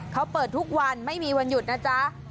เขาเปิดทุกวันไม่มีวันหยุดนะจ๊ะ